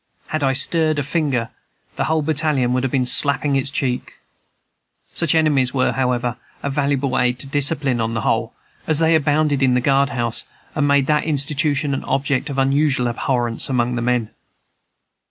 Had I stirred a finger, the whole battalion would have been slapping its cheeks. Such enemies were, however, a valuable aid to discipline, on the whole, as they abounded in the guard house, and made that institution an object of unusual abhorrence among the men.